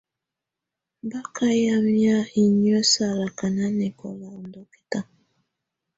Baka yamɛ̀á inƴǝ́ salaka nanɛkɔla ù ndɔ̀kɛta.